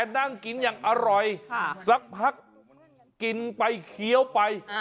นั่งกินอย่างอร่อยสักพักกินไปเคี้ยวไป